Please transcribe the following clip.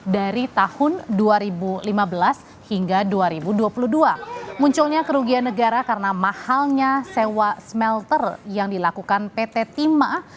dari tahun dua ribu lima belas hingga dua ribu dua puluh dua munculnya kerugian negara karena mahalnya sewa smelter yang dilakukan pt timah